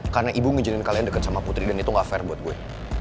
karena ibu ngejadikan kalian deket sama putri dan itu nggak fair buat gue